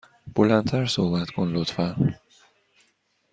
بلند تر صحبت کن، لطفا.